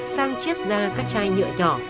xăng chiết ra các chai nhựa nhỏ